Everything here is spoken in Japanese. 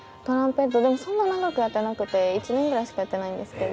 でもそんな長くやってなくて１年ぐらいしかやってないんですけど。